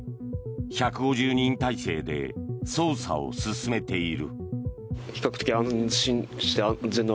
１５０人態勢で捜査を進めている。